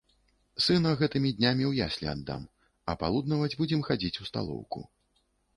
Сына гэтымі днямі ў яслі аддам, а палуднаваць будзем хадзіць у сталоўку.